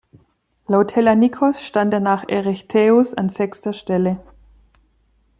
Laut Hellanikos stand er nach Erechtheus an sechster Stelle.